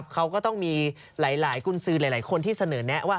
เขาก็ต้องมีหลายกุญสือหลายคนที่เสนอแนะว่า